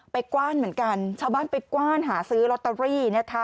กว้านเหมือนกันชาวบ้านไปกว้านหาซื้อลอตเตอรี่นะคะ